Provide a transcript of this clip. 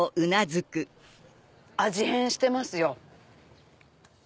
味変してますよ。